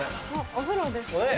お風呂ですかね。